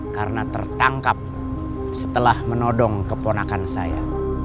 karena tertangkap setelah menodong keponakan saya